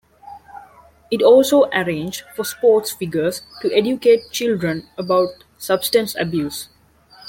It also arranged for sports figures to educate children about substance abuse.